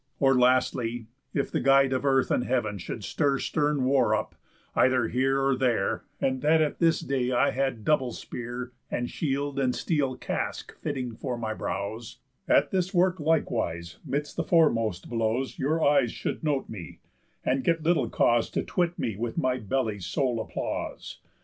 Or lastly, if the Guide of earth and heaven Should stir stern war up, either here or there, And that at this day I had double spear, And shield, and steel casque fitting for my brows; At this work likewise, 'midst the foremost blows, Your eyes should note me, and get little cause To twit me with my belly's sole applause.